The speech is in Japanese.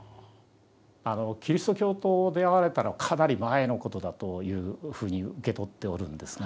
キリスト教と出会われたのはかなり前のことだというふうに受け取っておるんですが。